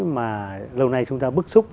mà lâu nay chúng ta bức xúc